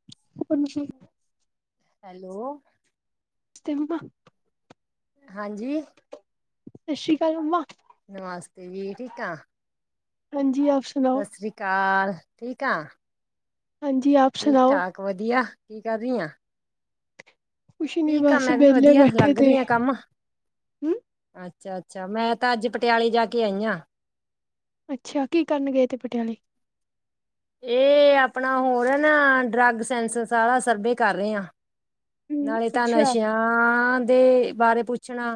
[unintelligible] Hello. [inaudible] ਹਾਂਜੀ। ਸਤਿ ਸ਼੍ਰੀ ਅਕਾਲ ਮੰਮਾ। [inaudible] ਜੀ, ਠੀਕ ਆਂ? ਹਾਂਜੀ [inaudible] ਸਤਿ ਸ੍ਰੀ ਅਕਾਲ, ਠੀਕ ਆਂ? ਹਾਂਜੀ, ਆਪ ਸੁਣਾਓ? ਠੀਕ-ਠਾਕ ਵਧੀਆ, ਕੀ ਕਰ ਰਹੀ ਆਂ? ਕੁਛ ਨੀ ਠੀਕ ਆਂ ਬਸ ਮੈਂ ਵੀ ਵਿਹਲੇ ਵਧੀਆ, ਬੈਠੇ ਲੱਗ ਤੇ, ਰਹੀ ਆਂ, ਕੰਮ। ਹੂੰ ਅੱਛਾ-ਅੱਛਾ, ਮੈਂ ਤਾਂ ਅੱਜ ਪਟਿਆਲੇ ਜਾਕੇ ਆਈ ਆਂ। ਅੱਛਾ, ਕੀ ਕਰਨ ਗਏ ਇੱਥੇ ਪਟਿਆਲੇ? ਇਹ ਆਪਣਾ ਹੋਰ ਹੈ ਨਾ, ਡਰੱਗ ਸੈਂਸ ਸਾਰਾ ਸਰਵੇ ਕਰ ਰਹੇ ਆਂ। ਹੂੰ ਨਾਲੇ ਤਾਂ ਅੱਛਾ, ਨਸ਼ਿਆਂ, ਦੇ ਬਾਰੇ ਪੁੱਛਣਾ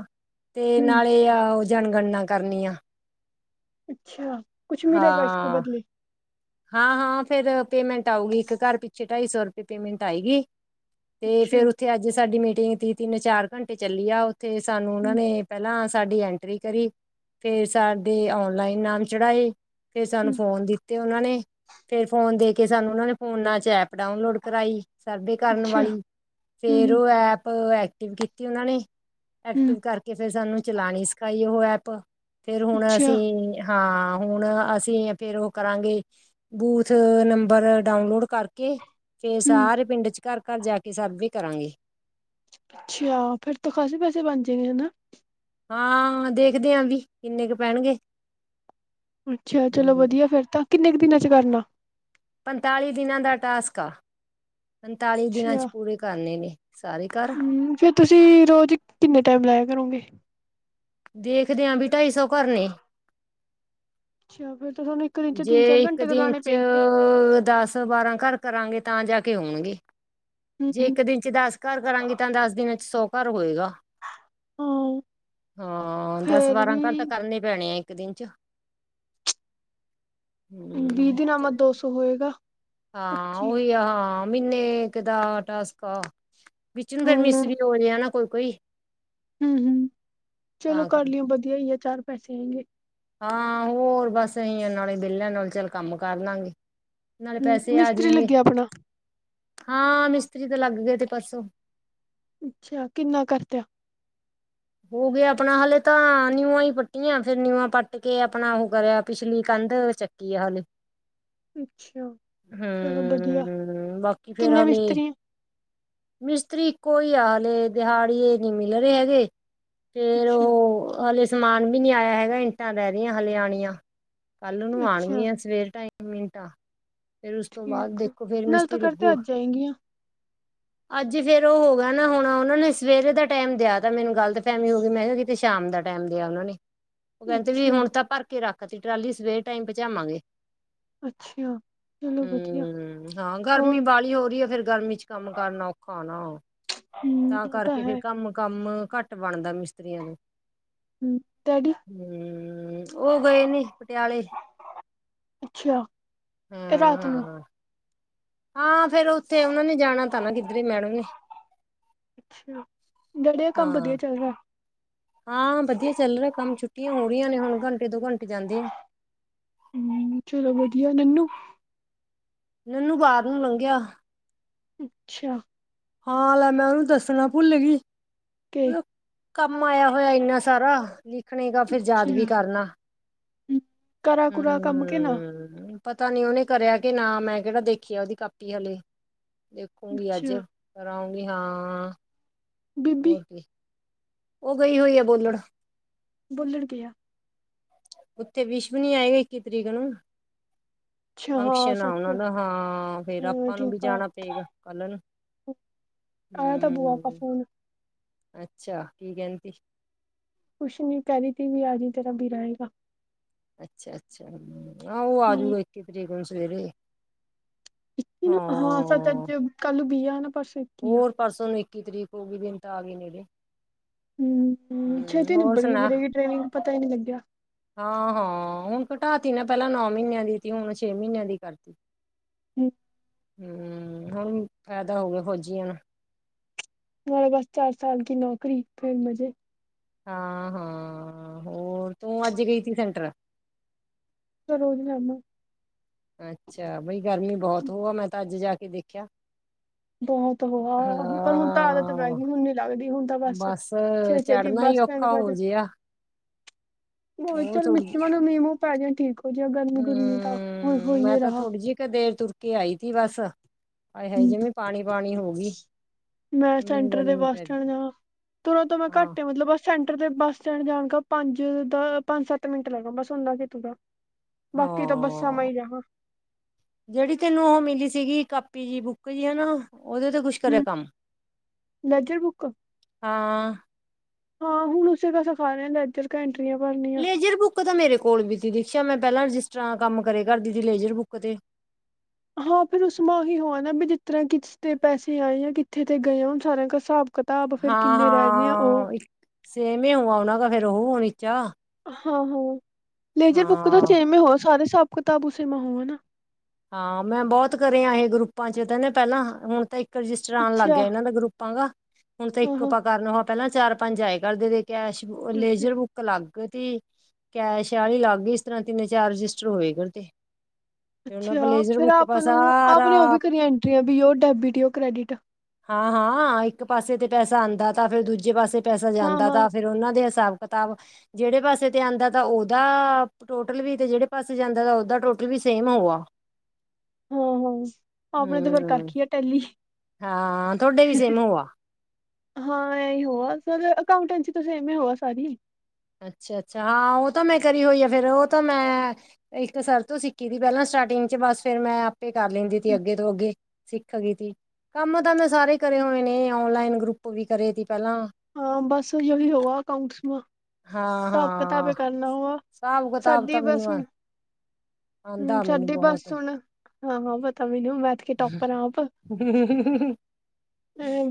ਤੇ ਹੂੰ ਨਾਲੇ, ਉਹ ਜਨਗਣਨਾ ਕਰਨੀ ਆ। ਅੱਛਾ। ਕੁਛ ਮਿਲੇਗਾ ਇਸਕੇ ਹਾਂ ਬਦਲੇ, ਹਾਂ-ਹਾਂ, ਫੇਰ ਪੇਮੈਂਟ ਆਊਗੀ, ਇੱਕ ਘਰ ਪਿੱਛੇ ਢਾਈ ਸੌ ਰੁਪਏ ਪੇਮੈਂਟ ਆਏਗੀ। ਤੇ ਅੱਛਾ। ਫੇਰ ਉੱਥੇ ਅੱਜ ਸਾਡੀ ਮੀਟਿੰਗ ਤੀ, ਤਿੰਨ-ਚਾਰ ਘੰਟੇ ਚੱਲੀ ਆ, ਉੱਥੇ ਸਾਨੂੰ ਉਹਨਾਂ ਹੂੰ ਨੇ ਪਹਿਲਾਂ ਸਾਡੀ ਐਂਟਰੀ ਕਰੀ, ਫੇਰ ਸਾਡੇ ਔਨਲਾਈਨ ਨਾਮ ਚੜਾਏ। ਫਿਰ ਸਾਨੂੰ ਹੂੰ ਫੋਨ ਦਿ ਤੇ ਉਹਨਾਂ ਨੇ, ਫੇਰ ਫੋਨ ਦੇਕੇ ਸਾਨੂੰ ਉਹਨਾਂ ਨੇ ਫੋਨਾਂ'ਚ ਐਪ ਡਾਊਨਲੋਡ ਕਰਾਈ। ਸਰਵੇ ਕਰਨ ਅੱਛਾ, ਵਾਲੀ, ਹੂੰ ਫੇਰ ਹੂੰ ਉਹ ਐਪ ਐਕਟਿਵ ਕੀਤੀ ਉਹਨਾਂ ਨੇ। ਹੂੰ ਐਕਟਿਵ ਕਰਕੇ ਫੇਰ ਸਾਨੂੰ ਚਲਾਣੀ ਸਿਖਾਈ ਉਹ ਐਪ, ਫੇਰ ਹੁਣ ਅੱਛਾ, ਅਸੀਂ ਹਾਂ ਹੁਣ, ਅਸੀਂ ਫੇਰ ਉਹ ਕਰਾਂਗੇ ਬੂਥ ਨੰਬਰ ਡਾਊਨਲੋਡ ਕਰਕੇ ਫੇਰ ਹੂੰ ਸਾਰੇ ਪਿੰਡ'ਚ, ਘਰ-ਘਰ ਜਾਕੇ ਸਰਵੇ ਕਰਾਂਗੇ। ਅੱਛਾ, [inaudible] ਹਾਂ, ਦੇਖਦੇ ਆ ਵੀ, ਕਿੰਨੇ ਕੁ ਪੈਣਗੇ। ਅੱਛਾ, ਚਲੋ ਹਮ ਵਧੀਆ ਫੇਰ ਤਾਂ, ਕਿੰਨੇ ਕ ਦਿਨਾਂ'ਚ ਕਰਨਾ? ਪੰਤਾਲੀ ਦਿਨਾਂ ਦਾ ਟਾਸਕ ਆ, ਪੰਤਾਲੀ ਦਿਨਾਂ'ਚ ਅੱਛਾ, ਪੂਰੇ ਕਰਨੇ ਨੇ। ਸਾਰੇ ਘਰ ਹੂੰ, ਫੇਰ ਤੁਸੀਂ ਰੋਜ਼ ਕਿੰਨੇ ਟਾਈਮ ਲਾਇਆ ਕਰੋਂਗੇ? ਦੇਖਦੇ ਆਂ, ਵੀ ਢਾਈ ਸੌ ਘਰ ਨੇੇ। ਅੱਛਾ, ਫੇਰ ਤਾ ਤੁਹਾਨੂੰ ਦਿਨ ਚ ਤਿੰਨ ਜੇ ਚਾਰ ਇੱਕ ਘੰਟੇ ਤਾਂ ਲਾਣੇ ਦਿਨ'ਚ ਪਏਗੇ, ਅ--ਦਸ-ਬਾਰਾਂ ਘਰ ਕਰਾਂਗੇ, ਤਾਂ ਜਾਕੇ ਹੋਣਗੇ, ਹੂੰ ਜੇ ਹੂੰ ਇੱਕ ਦਿਨ ਦਸ ਘਰ ਕਰਾਂਗੇ, ਤਾਂ ਦਸ ਦਿਨਾਂ'ਚ ਸੌ ਘਰ ਹੋਏਗਾ। ਹਾਂ ਹਾਂ, ਫੇਰ ਦਸ-ਬਾਰਾਂ ਘਰ ਵੀ ਤਾਂ ਕਰਨੇ ਪੈਣੇ ਆ, ਇੱਕ ਦਿਨ'ਚ। ਵੀਹ ਹੂੰ ਦਿਨਾਂ ਬਾਅਦ ਦੋ ਸੋ ਹੋਏਗਾ। ਹਾਂ, ਪੱਚੀ ਉਹੀ ਆ, ਹਾਂ ਮਹੀਨੇ ਇਕ ਦਾ ਟਾਸਕ ਆ। ਵਿੱਚ ਨੂੰ ਫੇਰ ਹੂੰ, ਮਿਸ ਵੀ ਹੋ ਰਿਹਾ ਨਾ, ਕੋਈ-ਕੋਈ। ਹੂੰ-ਹੂੰ, ਚਲੋ ਕਰ ਲਿਓ ਵਧੀਆ ਹੀ ਆ, ਚਾਰ ਪੈਸੇ ਆਇੰਗੇਂ। ਹਾਂ, ਹੋਰ ਬਸ ਐਂਈ ਆ ਨਾਲੇ, ਵਿਹਲੇ ਆ ਨਾਲੇ ਚੱਲ ਕੰਮ ਕਰ ਲਾਂਗੇ। ਨਾਲੇ ਹੂੰ ਪੈਸੇ ਆ ਮਿਸਤਰੀ ਜੇਂਗੇ, ਲੱਗਿਆ ਆਪਣਾ ਹਾਂ ਮਿਸਤਰੀ ਤੇ ਲੱਗ ਗਏ ਥੇ ਪਰਸੋਂ। ਅੱਛਾ, ਕਿੰਨਾ ਕਰਤਿਆ। ਹੋਗਿਆ ਆਪਣਾ ਹਲੇੇ ਤਾਂ ਨਿਊਵਾਂ ਹੀ ਪੱਟੀਆਂ, ਫੇਰ ਨਿਉਵਾਂ ਪੱਟਕੇ ਆਪਣਾ ਉਹ ਕਰਿਆ ਪਿਛਲੀ ਕੰਧ ਕੀ ਹਾਲ ਏ? ਅੱਛਾ, ਚਲੋ ਵਧੀਆ, ਹੂੰ ਬਾਕੀ ਫੇਰ ਕਿੰਨੇ ਹਲੇ ਮਿਸਤਰੀ ਹੈ? ਮਿਸਤਰੀ, ਇਕੋ ਹੀ ਆ ਹਾਲੇ ਦਿਹਾੜੀ ਇਹ ਨਹੀਂ ਮਿਲ ਰਹੇ ਹੈਗੇ। ਫੇਰ ਅੱਛਾ, ਉਹ ਹਲੇ ਸਮਾਨ ਵੀ ਨੀ ਆਇਆ ਹੈਗਾ, ਇੰਟਾਂ ਰਹਿ ਰਿਆਂ ਹਲੇ ਆਣੀਆਂ। ਅੱਛਾ [unintelligible] ਫੇਰ ਉਸ ਤੋਂ ਬਾਅਦ ਠੀਕ ਆ ਦੇਖੋ, ਫੇਰ ਨਾਲ ਤਾਂ ਮਿਸਤਰੀ ਕਰਤੇ ਲੱਗੂ। ਅੱਜ ਆਏਂਗੀਆਂ ਅੱਜ ਫੇਰ ਉਹ ਹੋ ਗਿਆ ਨਾ, ਹੁਣ ਉਹਨਾਂ ਨੇ ਸਵੇਰੇ ਦਾ ਟਾਈਮ ਦਿਆ ਦਾ ਮੈਨੂੰ ਫੈਮੀ ਹੋ ਗਈ ਮੈਂ ਕਿਹਾ, ਕਿਤੇ ਸ਼ਾਮ ਦਾ ਟਾਈਮ ਦਿਆ ਉਹਨਾਂ ਨੇ, ਉਹ ਕਹਿੰਦੇ ਵੀ ਅੱਛਾ, ਹੁਣ ਤਾਂ ਭਰ ਕੇ ਰੱਖ ਅਸੀਂ ਟਰਾਲੀ ਸਵੇਰ ਟਾਈਮ ਪਹੁੰਚਾਵਾਂਗੇ। ਅੱਛਾ ਚਲੋ ਵਧੀਆ ਹਮ ਹਾਂ, ਗਰਮੀ ਹੋਰ ਬਾਹਲੀ ਹੋ ਰਹੀ ਹੈ। ਫੇਰ ਗਰਮੀ ਚ ਕੰਮ ਕਰਨਾ ਔਖਾ ਨਾ, ਹੂੰ ਤਾਂ ਉਹ ਕਰਕੇ ਫੇਰ ਹੈ ਕੰਮ ਕੰਮ ਘੱਟ ਘਟ ਬਣਦਾ ਮਿਸਤਰੀਆਂ ਦਾ ਹਮ ਹਮ, ਉਹ ਗਏ ਨੇ ਪਟਿਆਲੇ। ਅੱਛਾ ਹਮ ਰਾਤ ਹਾਂ ਨੂੰ ਹਾਂ। ਹਾਂ, ਫੇਰ ਉੱਥੇ ਉਹਨਾ ਨੇ ਜਾਣਾ ਤਾਂ ਨਾ ਕਿੱਧਰੇ ਮੈਡਮ ਨੇ। ਅੱਛਾ, ਵਧੀਆ ਕੰਮ ਵਧੀਆ ਹਾਂ ਚੱਲ ਰਿਹਾ? ਹਾਂ, ਵਧੀਆ ਚੱਲ ਰਿਹਾ ਕੰਮ, ਛੁੱਟੀਆਂ ਹੋ ਰਹੀਆਂ ਨੇ ਹੁਣ ਘੰਟੇ ਦੋ ਘੰਟੇ ਜਾਂਦੇ ਆ। ਹਮ ਚਲੋ, ਵਧੀਆ ਨੰਨੂ? ਨਨੂੰ, ਬਾਹਰ ਨੂੰ ਲੰਘਿਆ। ਅੱਛਾ ਹਾਂ, ਲੈ ਮੈਂ ਉਹਨੂੰ ਦੱਸਣਾ ਭੁੱਲ ਗਈ। ਕੇ ਕੰਮ ਆਇਆ ਅੱਛਾ ਹੋਇਆ, ਇੰਨਾ ਸਾਰਾ ਲਿਖਣੇ ਗਾ ਫੇਰ ਯਾਦ ਵੀ ਕਰਨਾ। ਹਮ ਹਮ, ਪਤਾ ਨੀ ਉਹਨੇ ਕਰਿਆ ਕਿ ਨਾ ਮੈਂ ਕਿਹੜਾ ਦੇਖੀਆ, ਉਹਦੀ ਕਾਪੀ ਹਲੇੇ। ਦੇਖੂੰਗੀ, ਅੱਜ ਅੱਛਾ ਕਰਆਉਂਗੀ ਹਾਂ ਬੀਬੀ ਹੋਰ ਕੀ ਉਹ ਗਈ ਹੋਈ ਆ, ਬੋਲੜ ਬੋਲਣਗੇ ਆ। ਉਥੇ, ਵਿਸ਼ਵ ਨੀ ਆਈ ਇਕੀ ਤਰੀਕ ਨੂੰ- ਅੱਛਾ ਹਾਂ ਫੰਕਸ਼ਨ ਆ ਸੱਚ ਉਹਨਾ ਦਾ ਹਾਂ, ਫੇਰਾ ਹਾਂ ਆਪਾ ਨੂੰ ਵੀ ਠੀਕ ਆ ਜਾਣਾ ਪਏਗਾ ਕਲ ਨੂੰ ਆਇਆ ਤਾਂ ਬੁਆ ਕਾ ਫੋਨ ਅਛਾ, ਕੀ ਕਹਿੰਦੀ ਕੁਛ ਨੀ, ਕਹਿ ਰਹੀ ਤੀ ਵੀ ਆਜ ਹੀ ਤੇਰਾ ਵੀਰਾਏਗਾ। ਅਛਾ- ਅਛਾ ਆਹ ਉਹ ਆਜੂਗਾ ਇਕੀ ਤਰੀਕ ਨੂੰ ਸਵੇਰੇ ਇਕੀ ਨੂੰ ਹਾਂ, ਸਚ ਅਜ ਕਲ ਬੀਆ ਨਾ ਪਰਸੋ ਹੋਰ, ਪਰਸੋਂ ਨੂੰ ਇਕੀ ਤਰੀਕ ਹੋ ਗਈ ਦਿਨ ਤਾਂ ਆ ਗਏ ਨੇੜੇੳ ਹਮ, ਛੇਤੀ ਨਿਬੜ ਗਈ ਵੀੇਰੇਦੀ ਟ੍ਰੇਨਿੰਗ ਪਤਾ ਹੀ ਨਹੀ ਲਗਿਆ। ਹਾਂ- ਹਾਂ ਹੁਣ ਘਟਾਤੀ ਨਾ, ਪਹਿਲਾ ਨੌ ਮਹੀਨਿਆਂ ਦੀ ਹੁਣ ਛੇ ਮਹੀਨਿਆਂ ਦੀ ਕਰਤੀ ਹੂੰ ਹੁਣ ਫ਼ਾਇਦਾ ਹੋ ਗਿਆ, ਫੌਜੀਆਂ ਨੂੰ ਮੇਰੇ ਬਸ ਚਾਰ ਸਾਲ ਕੀ ਨੌਕਰੀ ਫੇਰ ਮਜੇ ਹਾਂ- ਹਾਂ ਹੋਰ ਤੂੰ ਅਜ ਗਈ ਸੀ ਸੈਟਰ [unintelligible] ਅਛਾ, ਬਈ ਗਰਮੀ ਬਹੁਤ ਹੋਊ ਆ, ਮੈ ਤਾਂ ਅਜ ਜਾ ਕੇ ਦੇਖਿਆ। ਬਹੁਤ ਹੋ, ਪਰ ਹੁਣ ਤਾਂ ਆਦਤ ਹਾਂ। ਪੈਗਈ ਹੈਨੂੰ ਨੀ ਲੱਗਦੀ ਹੁਣ ਤਾਂ ਬਸ ਛੇਤੀ -ਛੇਤੀ ਚੜ੍ਹਨਾ ਬਸ ਹੀ ਸਟੈਂਡ ਔਖਾ ਭੱਜ ਹੋ ਜਿਆ ਹੁਣ, ਹੋਰ ਚੱਲ ਥੋੜੀ ਮੂੰ ਮੀਹ ਮੂੰਹ ਪੈ ਜਾ ਠੀਕ ਹੋ ਜਾ ਗਰਮੀ ਗੁਰਮੀ ਤਾਂ ਹੋ ਹੂੰ, ਮੈਂ ਹੋਈ ਤਾਂ ਰਹਾ ਥੋੜ੍ਹੀ ਜਿਹੀ ਕ ਦੇਰ ਤੁਰ ਕੇ ਆਈ ਥੀ ਬਸ, ਆਏ ਹਾਏ ਜਂਵੇ ਪਾਣੀ ਪਾਣੀ ਹੋ ਗੀ। ਮੈ ਸੈੈਂਟਰ ਦੇ ਬੱਸ ਸਟੈਂਡ ਜਾ ਤੁਰੋ ਤੋ ਮੈ ਹਾਂ ਘੱਟ ਮਤਲਬ ਬ- ਸੈਂਟਰ ਦੇ ਬੱਸ ਸਟੈਂਡ ਜਾਣ ਦਾ ਪੰਜ ਦ ਸੱਤ ਮਿੰਟ ਲੱਗਦਾ ਬਸ ੳਨਾ ਕਿ ਤੂਰਾ। ਬਾਕੀ ਤਾਂ ਬੱਸਾ ਮੇ ਹੀ ਜਾਣਾ। ਜੇੜੀ ਤੈਨੂੰ ੳ ਮਿਲੀ ਸੀਗੀ ਕਾਪੀ ਜੀ ਬੁੱਕ ਜੀ ਹਨਾ ਉਹਦੇ ਤੇ ਕੁਛ ਕਰੈ ਕੰਮ ਲੈਜਰ ਬੁੱਕ ਹਾਂ- ਹਾਂ ਹੁਣ ਉਸੇ ਤਾਂ ਸਿਖਾ ਲੈਂਦਾ ਏਧਰ- ਕੰਟਰੀਆਂ ਪਰਨੀ ਲੇਜਰ ਬੁੱਕ ਤਾਂ ਮੇਰੇ ਕੋਲ ਵੀ ਸੀ ਜਿਸ ਤੇ ਮੈ ਪੇਲਾਂ ਰਜਿਸਟਰਾਂ ਕੰਮ ਕਰੇ ਕਰਦੀ ਸੀ ਲੇਜਰ ਬੁੱਕ ਤੇ। ਹਾਂ ਫਿਰ ਉਸ ਮਾਂਹੀ ਹੋਆ ਨਾ, ਵੀ ਜਿਸ ਤਰ੍ਹਾਂ ਕਿਸ ਤੇ ਪੈਸੇ ਆਏ ਯਾਂ ਕਿਥੇ ਤੇ ਗਏ ਆਂ ਹੁਣ ਸਾਰਿਆਂ ਕਾ ਸਾਬ ਕਿਤਾਬ ਫੇਰ ਹਾਂ ਕਿਨੇ ਰਹਿ ਗਏ ਆਂ ੳ ਹਾਂ। ਇੱਕ ਸੇਮ ਈ ਹੋਆ ਗਾ ਫੇਰ ੳ ਵਿਚ ਹਾਂ-ਹਾਂ ਲੇਜਰ ਬੁੱਕ ਤਾਂ ਹਾਂ। ਸੇਮਂ ਹੋ ਸਾਰੇ ਹਿਸਾਬ ਕਿਤਾਬ ਉਸੇ ਮੇ ਹੋਵੇਨਾ ਹਾਂ ਮੈ ਬਹੁਤ ਕਰਿਆ ਇਂਹਾ ਗਰੁੱਪਾਂ ਚ ਪੈਲਾ ਹੁਣ ਤਾਂ ਰਜਿਸਟਰ ਆਣ ਲੱਗ ਅੱਛਾ ਗਿਆ ਇਨਾ ਗਰੁੱਪਾਂ ਦਾ, ਹੁਣ ਤਾਂ ਇਕ ਆਪਾਂ ਕਰਨਾ ਲਵਾ ਪੈਲਾ ਚਾਰ ਪੰਜ ਆਏ ਕਰਦੇ ਦੇ ਕੈਸ਼ ਲੇਜ਼ਰ ਬੁੱਕ ਕ ਅਲਾਗ ਥੀ, ਕੈਸ਼ ਆਲੀ ਲਾਗ ਇਸ ਤਰ੍ਹਾਂ ਤਿੰਨ ਚਾਰ ਰਜਿਸਟਰ ਹੋਏ ਕਰਦੇ ਤੇ ਉਹਨਾਂ ਪਰ ਅਛਾ, ਲੇਜ਼ਰ ਫਿਰ ਬੁੱਕ ਆਪ ਪਾ ਨੂੰ ਆਪ ਸਾਰਾ ਨੇ ੳ ਵੀ ਕਰੀਆਂ ਐਨਟਰੀਆਂ ਵੀ ਯੋ ਡੈਬਿਟ ਯੋ ਕ੍ਰੈਡਿਟ ਹਾਂ-ਹਾਂ ਇਕ ਪਾਸੇ ਤੇ ਪੈਸਾ ਆਂਦਾ ਥਾ, ਫੇਰ ਦੂਜੇ ਪਾਸੇ ਪੈਸਾ ਹਾਂ ਜਾਂਦਾ ਹਾਂ ਥਾ, ਫਿਰ ਉਨਾ ਦੇ ਹਿਸਾਬ ਕਿਤਾਬ ਜੈੜੇ ਪਾਸੇ ਤੇ ਆਂਦਾ ਥਾ ਉਦਾ ਟੋਟਲ ਵੀ, ਤੇ ਜਿਹੜੇ ਪਾਸੇ ਜਾਦਾ ਥਾ ਉਦਾ ਟੋਟਲ ਵੀ ਸੇਮ ਹੋਗਾ- ਹਾਂ-ਹਾਂ ਆਪਣੇ ਤੇ ਫੇਰ ਕਰ ਹਮ ਰਖੀ ਆ ਟੈਲੀ- ਹਾਂ ਤੁਹਾਡੇ ਵੀ ਸੇਮ ਹੋ ਆ। ਹਾਂ, ਏਹੀ ਹੋਆ ਫੇਰ ਅਕਾਊਂਟੈਂਟ ਚ ਸੇਮ ਈ ਹੋਆ ਸਾਰੀ- ਅਛਾ-ਅਛਾ ਹਾਂ ੳ ਤਾਂ ਮੈ ਕਰੀ ਹੋਈ ਆ, ਫੇਰ ਉਹ ਤਾਂ ਮੈ ਏਕ ਸਰ ਤੋ ਸਿਖੀ ਥੀ ਪੈਲਾ ਸਟਾਰਟਿੰਗ ਚ ਬਸ ਫੇਰ ਮੈ ਆਪੇ ਕਰ ਲੈਂਦੀ ਥੀ ਅਗੇ ਤੋ ਅਗੇ ਸਿਖ ਗਈ ਥੀ। ਕਮ ਤਾਂ ਮੈ ਸਾਰੇ ਕਰੇ ਹੋਏ ਨੇ ਓਨਲਾਈਨ ਗਰੁੱਪ ਵੀ ਕਰੇ ਥੀ ਪੈਲਾਂ- ਹਾਂ ਬਸ ਯਹੀ ਹੋਵਾ ਅਕਾਊਂਟਸ ਮੇ- ਹਿਸਾਬ ਹਾਂ-ਹਾਂ ਕਿਤਾਬੇ ਕਰਨਾ ਹੋਗਾ ਹਿਸਾਬ ਕਿਤਾਬ ਸਾਢੀ ਤਾਂ ਬਸ- ਮੈਨੂੰ ਆ ਹੂੰ ਆਂਦਾ ਮੈਨੂੰ ਸਾਡੀ ਬਹੁਤ ਬੱਸ ਹੁਣ ਹਾਂ-ਹਾਂ ਪਤਾ ਮੈਨੂੰ ਮੈਥ ਕੇ ਟੋਪਰ ਆਪ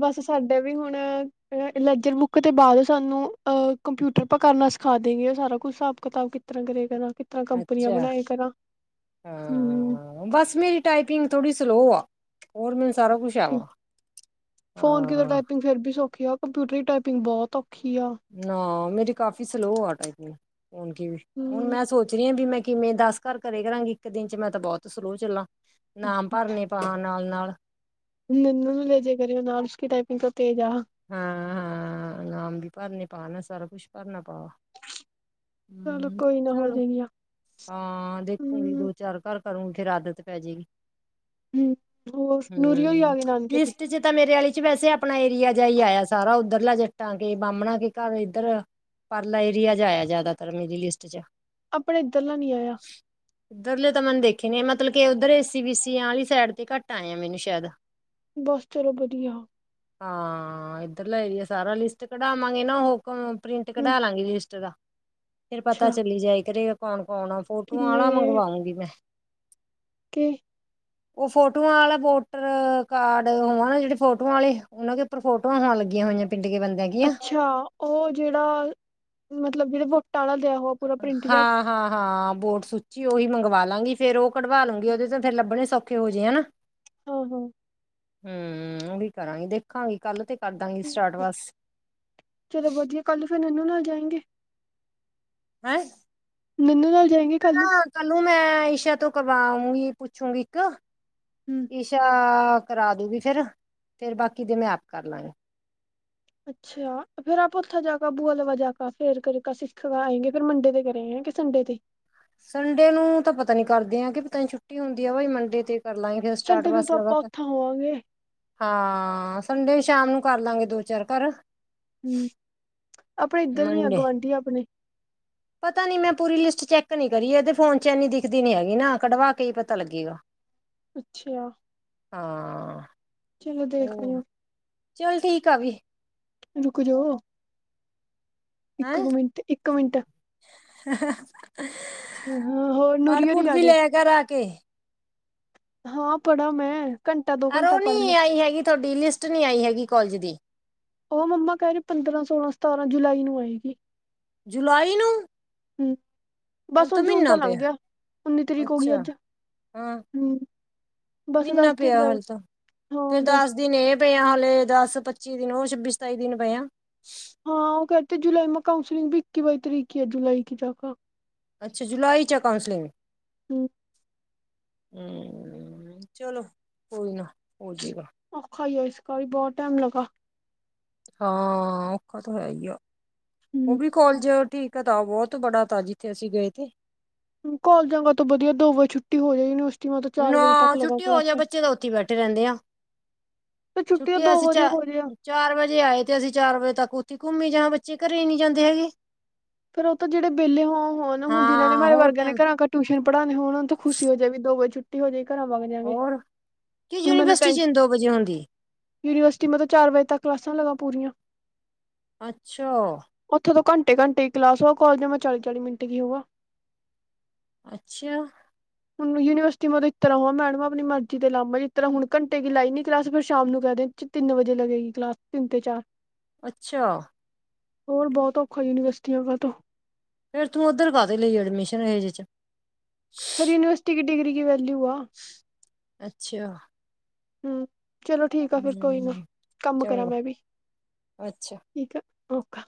ਬਸ ਸਾਡੇ ਵੀ ਹੁਣ ਅ ਲੈਜਰ ਬੁੱਕ ਦੇ ਬਾਅਦ ਸਾਨੂੰ ਅਹ ਕੰਪਿਊਟਰ ਆਪਾਂ ਕਰਨਾ ਸਿਖਾ ਦੇਂਗੇ ੳ ਸਾਰਾ ਕੁਛ ਹਿਸਾਬ-ਕਿਤਾਬ ਕਿਸ ਤਰ੍ਹਾਂ ਕਰੇ ਕਰਾ ਕੀਸ ਤਰ੍ਹਾ ਕੰਪਨੀਆਂ ਅੱਛਾ ਬਣਾਈ ਕਰਾ। ਹੂੰ ਹਾਂ ਬਸ ਮੇਰੀ ਟਾਈਪਿੰਗ ਥੋੜੀ ਸਲੋ ਆ ਹੋਰ ਮੈਨੂੰ ਸਾਰਾ ਕੁਛ ਆਵਾ ਹਾਂ। ਪਿਂਗ ਫੇਰ ਵੀ ਸੌਖੀ ਆ, ਕੰਪਿਊਟਰਰੀ ਟਾਈਪਿੰਗ ਬਹੁਤ ਔਖੀ ਆ ਨਾ ਮੇਰੀ ਕਾਫੀ ਸਲੋ ਆ ਟਾਈਪੀਂਗ ਹੁਣ ਕਿਵੇ, ਹੁਣ ਹੂੰ ਮੈਂ ਸੋਚ ਰਹੀ ਆਂ ਵੀ ਮੈਂ ਕਿਵੇਂ ਦੱਸ ਘਰ ਕਰੇ ਕਰਾਂਗੀ, ਇੱਕ ਦਿਨ ਚ ਮੈਂ ਤਾਂ ਬਹੁਤ ਸਲੋ ਚੱਲਾਂ, ਨਾਮ ਭਰਨੇ ਪਾਵਾਂ ਨਾਲ-ਨਾਲ ਨਨੂੰ ਨੂੰ ਲੈ ਜੇ ਕਰਿਓ ਨਾਲ ਉਸਕੀ ਟਾਈਪਿੰਗ ਤਾਂ ਤੇਜ਼ ਆ ਹਾਂ ਹਾਂ ਨਾਮ ਵੀ ਭਰਨੇ ਪਾ ਨਾ ਸਾਰਾ ਕੁਛ ਭਰਨਾ ਪਾ ਚਲੋ ਹੂੰ ਕੋਈ ਨਾ ਹੋ ਚਲੋ ਜਾਏਗੀ ਆ। ਹਾਂ ਦੇਖੁਂਗੀ ਹੂੰ ਦੋ ਚਾਰ ਘਰ ਕਰੂੰਗੀ ਫੇਰ ਆਦਤ ਪੈ ਜੇਗੀ। ਹੂੰ ਹੋਰ ਨੂਰੀ ਹੋਰੀ ਆ ਹੂੰ ਗਏ ਨਾਨਕੇ ਤੇ ਲਿਸਟ ਚ ਤਾਂ ਮੇਰੇ ਆਲੀ ਚ ਵੈਸੇ ਆਪਣਾ ਏਰੀਆ ਜਾ ਹੀ ਆਇਆ ਸਾਰਾ, ਉੱਧਰਲਾ ਜੱਟਾਂ ਕੇ ਬਾਹਮਣਾ ਕੇ ਘਰ ਇੱਧਰ ਪਰਲਾ ਏਰੀਆ ਚ ਆਏਆ ਜਾਦਾਤਰ ਮੇਰੀ ਲੀਸਟ ਚ ਆਪਨਾ ਏਦਰਲਾ ਨੀ ਆਏਆ? ਏਦਰਲੇ ਤਾਂ ਮਨ ਦੇਖੇ ਨੇ ਮਤਲਾ ਕੇ ਓਧਰ ਏਸੀ ਬੀਸੀ ਵਾਲੀ ਸਾਈਡ ਤੇ ਘੱਟ ਆਏ ਆ ਮੈਨੂੰ ਸੈ਼ਦ। ਬਸ ਚਲੋ ਵਧੀਆ। ਹਾਂ ਏਦਰਲਾ ਏਰੀਆ ਸਾਰਾ ਲੀਸਟ ਕਢਵਾਂਗੇ ਨਾ ਓਹੋ ਪ੍ਰਿੰਟ ਕਢ ਲਾਂਗੀ ਲੀਸਟ ਦਾ ਫੇਰ ਪਤਾ ਅੱਛਾ ਚੱਲੀ ਜਾਏ ਕਰੇਗਾ ਕੌਣ-ਕੌਣ ਆ ਫੋਟੋਆਂ ਕਿੰਨੇ ਆਲਾ ਮੰਗਵਾਊਂਗੀ ਮੈਂ। ਕੇ ਓ ਫੋਟੋਆਂ ਵਾਲਾ ਵੋਟਰ ਕਾਡ ਹੈਨਾ ਜੇੜੇ ਫੋਟੋਆਂ ਵਾਲੇ ਓਨਾ ਦੇ ਪਰ ਫੋਟੋਆ ਹੋਂ ਲੱਗੀਆਂ ਹੋਈਆਂ ਪੀਡ ਕੇ ਬੰਦੇਆਂ ਅੱਛਾ ਓ ਜੇੜਾ, ਮਤਲਵ ਜੇੜੇ ਵੋਟਾ ਵਾਲਾ ਦੇਆ ਹੋ ਹਾਂ-ਹਾਂ-ਹਾਂ ਬੋਡ ਸੁ ਜੀ ਓਈ ਮੰਗਵਾ ਲਾਂਗੀ ਫੇਰ ਓ ਕਢਵਾ ਲਾਂਗੀ ਓਦੇ ਫੇਰ ਲੱਭਣੇ ਸੌਖੇ ਹੋ ਜੇਏ ਨਾ ਹਾਂ-ਹਾਂ। ਹੂੰ ਓਹੀ ਕਰਾਂਗੀ ਦੇਖਾਂਗੀ ਕੱਲ ਤੇ ਕਰਦਾਂਗੀ ਸਟਾਟ ਬਸ। ਚਲੋ ਵਧੀਆ ਕੱਲ ਫੇਰ ਏਨਾ ਨਾਲ ਜਾਏਗੇ ਹੈਂ? ਮੇਨੂ ਨਾਲ ਜਾਏਗੇ ਨਾ ਕੱਲ ਨੂੰ ਮੈਂ ਈਸ਼ਾ ਤੋਂ ਕਵਾਊਂਗੀ ਪੁੱਛੂਗੀ ਏਕ ਹੂੰ ਈਸ਼ਾ ਕਰਾ ਦੂਗੀ ਫੇਰ, ਫੇਰ ਬਾਕੀ ਦੇ ਮੈਂ ਆਪ ਕਰ ਲਾਂਗੀ। ਅੱਛਾ ਫੇਰ ਆਪਾਂ ਓਥੇ ਜਾ ਕੇ ਬੂਆ ਲਵਾ ਜਾ ਕੇ ਫੇਰ ਕਰੇ ਸਿਏਖ ਆਏਗੇ ਫੇਰ ਮੰੰਡੇ ਦੇ ਕਰੇ ਸੰੰਡੇ ਤੇ। ਸੰਡੇ ਨੂੰ ਤਾਂ ਪਤਾ ਨੀ ਕਰਦੇ ਆ ਕੇ ਪਤਾ ਛੁੱਟੀ ਹੁੰਦੀ ਆ ਮੰਡੇ ਤੇ ਕਰ ਲਾਂਗੇ ਸਟਾਟ ਸੰਡੇ ਨੂੰ ਬਸ ਤਾਂ ਲਗਾ ਆਪਾਂ ਤ ਉੱਥਾਂ ਹੋਵਾਂਗੇ ਹਾਂ ਸੰਡੇ ਸ਼ਾਮ ਨੂੰ ਕਰ ਲਵਗੇ ਦੋ-ਚਾਰ ਘਰ ਹੂੰ ਆਪਣੇ ਏਧਰ ਵੀ ਆਂ ਮੰਡੇ ਗਵਾਂਡੀ ਆਪਣੇ ਪਤਾ ਨੀ ਮੈਂ ਪੂਰੀ ਲੀਸਟ ਚੈੱਕ ਨੀ ਕਰੀ ਏਦੇ ਫੋਨ ਚ ਏਨੀ ਦਿਖਦੀ ਨੀ ਹੈਗੀ ਨਾ ਕਢਵਾ ਕੇ ਈ ਪਤਾ ਲੱਗੇਗਾ ਅੱਛਾ। ਹਾਂ, ਚਲੋ ਦੇਖ ਓ, ਲਿਓ ਚੱਲ ਠੀਕ ਆ ਵੀ। ਰੁਕ ਜੋ, ਏਕ ਹੈਂ ਮੀਂਟ ਏਕ ਮੀਂਟ ਅੱਛਾ ਹਾਂ ਹੋਰ ਪੜ ਨੂਰੀ ਪੁੜ ਹੋਰੀ ਆ ਵੀ ਗਏ ਲੇਆ ਕਰ ਆ ਕੇ ਹਾਂ ਪੜਾ ਮੈਂ ਘੰਟਾ ਦੋ ਘੰਟਾ ਪੜ੍ਹ ਅਰੋਨੀ ਲਿਆ ਆਈ ਹੈਗੀ ਤੁਹਾਡੀ ਲੀਸਟ ਨੀ ਆਈ ਹੈਗੀ ਕੌਲਜ ਦੀ। ਓ ਮੰਮਾ ਕੈ ਰਏ ਪੰਦਰਾਂ-ਸੋਲਾਂ-ਸਤਾਰਾਂ ਜੁਲਾਈ ਨੂੰ ਆਏਗੀ। ਜੁਲਾਈ ਨੂੰ? ਹੂੰ ਹਲ ਬਸ ਹੁਣ ਜੂਨ ਮਹੀਨਾ ਤਾਂ ਲੰਘ ਪਿਆ ਗੇਆ ਉੱਨੀ ਤਰੀਕ ਹੋ ਗਈ ਅੱਛਾ ਅੱਜ ਹਾਂ ਹੂੰ ਬਸ ਦਸ ਮਹੀਨਾ ਦੇਨ ਪਿਆ ਰਏ, ਹਲ ਤਾਂ ਫੇਰ ਹੂੰ ਦਸ ਦਿਨ ਇਹ ਪਏ ਆ ਹਾਲੇ ਦਸ-ਪੱਚੀ ਦਿਨ ਊ ਛੱਬੀ-ਸਤਾਈ ਦੇਨ ਪਏ ਆ। ਹਾਂ ਓ ਕੈ ਤੇ ਜੁਲਾਈ ਮੇ ਕਾਂਉਸਲਿੰਗ ਵੀ ਇੱਕੀ-ਬਾਈ ਤਰੀਕ ਈ ਐ ਜੁਲਾਈ ਕਿ ਜਾ ਅੱਛਾ ਜੁਲਾਈ ਚਾ ਕਾਊਂਸਲੀਂਗ? ਹੂੰ ਹੂੰ, ਚਲੋ ਕੋਈ ਨਾ ਹੋ ਜੇਗਾ। ਔਖਾ ਈ ਐ ਈਸਕਾ ਵੀ ਬਹੁ ਟੈਮ ਲਗਾ। ਹਾਂ ਔਖਾ ਤੋ ਹੈ ਈ ਆ, ਓ ਵੀ ਕੌਲਜ ਠੀਕ ਐ ਤਾ ਬੋਤ ਬੜਾ ਤਾ ਜਿੱਥੇ ਅਸੀਂ ਗਏ ਥੇ ਕੋਲਜਾਂ ਕਾ ਤੋ ਵਦੀਆ ਦੋ ਵਜੇ ਛੁੱਟੀ ਹੋ ਜਾਏ ਯੂਨੀਵਸ ਨਾਂ, ਛੁੱਟੀ ਹੋ ਜੇ ਬੱਚੇ ਤਾਂ ਉੱਥੇ ਈ ਬੈਠੇ ਰੈਂਦੇ ਆ। ਛੁੱਟੀ ਓ ਅਸੀਂ ਚਾ ਚਾਰ ਵਜੇ ਆਏ ਤੇ ਅਸੀਂ ਚਾਰ ਵਜੇ ਤੱਕ ਉੱਥੇ ਘੁੰਮੀ ਜਾਂ ਬੱਚੇ ਘਰੇ ਈ ਨੀਂ ਜਾਂਦੇ ਹੈਗੇ। ਫਿਰ ਉਹ ਤੋਂ ਜੇੜੇ ਵਿਹਲੇ ਹੋ ਹੋਏ ਆ ਹੁਣ ਜਿਨ੍ਹਾਂ ਨੇ ਹਾਂ ਮਾਰੇ ਹੋਰ ਵਰਗਿਆਂ ਨੇ ਟਾਈਮ ਘਰਾਂ ਕਾ ਟਿਊਸ਼ਨ ਪੜਾਂਣੀ ਹੋਣ ਓਨੂੰ ਤਾਂ ਖੁਸ਼ੀ ਹੋ ਜਾਏ ਵੀ ਦੋ ਵਜੇ ਛੁਟ ਟੀ ਹੋ ਜੇ ਘਰਾਂ ਵਗ ਜਾਂਗੇ, ਹੋਰ ਕਿ ਹੁਣ ਮੈਨੂੰ ਯੂਨੀਵਰਸਿਟੀ ਚ ਟੈਂਸ਼ਨ ਦੋ ਵਜੇ ਹੁੰਦੀ ਯੂਨੀਵਸਿਟੀ ਮੈਂ ਤੋ ਚਾਰ ਵਜੇ ਤੱਕ ਕਲਾਸਾਂ ਲਗਾ ਪੂਰੀਆਂ। ਅੱਛਾ! ਓਥੇ ਤੋਂ ਘੰਟੇ-ਘੰਟੇ ਕੀ ਕਲਾਸ ਓ, ਕੋਲਜਾਂ ਮੈਂ ਚਾਲੀ-ਚਾਲੀ ਮਿੰਟ ਕੀ ਹੋਵਾ। ਅੱਛਾ। ਹੁਣ ਯੂਨੀਵਰਸਿਟੀ ਮੇਂ ਤੋ ਇ ਤਰ੍ਹਾਂ ਵਾਂ ਮੈਡਮ ਆਪਣੀ ਮਰਜ਼ੀ ਤੇ ਲਾਵੇ, ਜਿਸ ਤਰਾਂ ਹੁਣ ਘੰਟੇ ਕੀ ਲਾਈ ਨੀ ਕਲਾਸ ਫਿਰ ਸ਼ਾਮ ਨੂੰ ਕੈਅ ਦੇ ਤਿੰਨ ਵਜੇ ਲਗੇਗੀ ਕਲਾਸ, ਤਿੰਨ ਤੋ ਚਾਰ। ਅੱਛਾ! ਹੋਰ ਬੋਤ ਔਖਾ ਯੂਨੀਵਰਸਿਟੀਆਂ ਦਾ ਤੋ। ਫੇਰ ਤੂੰ ਓਧਰ ਕਾਹਦੇ ਲਈ ਐਡਮਿਸ਼ਨ ਲਈ ਜਿਚ। ਫਿਰ ਯੂਨੀਵਰਸਿਟੀ ਕੀ ਡਿਗਰੀ ਕੀ ਵੈਲਿਓ ਆ। ਅੱਛਾ। ਹਂ। ਚਲੋ ਠੀਕ ਆ ਫਿਰ ਕੋਈ ਨੀਂ ਹਮ ਕੰਮ ਕਰਾਂ ਚੰਗਾ ਮੈਂ ਵੀ। ਅੱਛਾ ਠੀਕ ਆ ਓਕਾ।